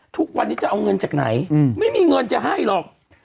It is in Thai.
ทุกวันนี้จะเอาเงินจากไหนไม่มีเงินจะให้หรอก